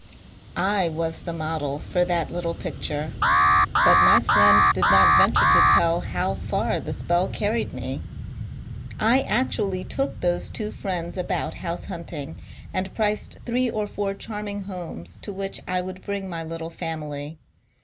I was the model for that little picture. But my friend did not venture to tell how far the spell carried me. I actually LIFE IN VENICE 431 took those two friends about house hunting, and priced three or four charming homes to which I would bring my little family.